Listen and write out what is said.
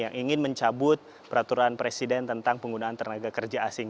yang ingin mencabut peraturan presiden tentang penggunaan tenaga kerja asing